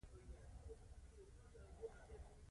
په مثال دې یو ګل یې خو عمر دې ګل مه شه